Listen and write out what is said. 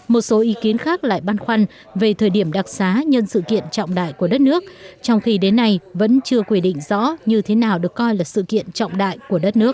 một số ý kiến khác lại băn khoăn về thời điểm đặc xá nhân sự kiện trọng đại của đất nước trong khi đến nay vẫn chưa quy định rõ như thế nào được coi là sự kiện trọng đại của đất nước